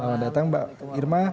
selamat datang mbak irma